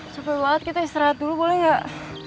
sepi banget kita istirahat dulu boleh gak